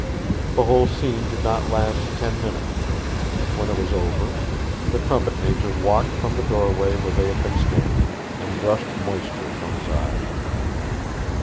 The whole scene did not last ten minutes. When it was over, the trumpet major walked from the doorway where they had been standing, and brushed moisture from his eyes.